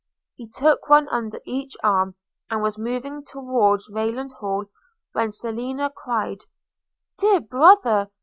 – He took one under each arm, and was moving towards Rayland Hall, when Selina cried, 'Dear brother!